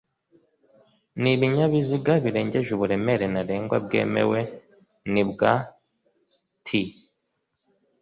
nibinyabiziga birengeje uburemere ntarengwa bwemewe nibwa T